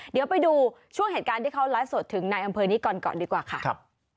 เดี๋ยวไปดูช่วงเหตุการณ์ที่เขาไลฟ์สดถึงในอำเภอนี้ก่อนก่อนดีกว่าค่ะ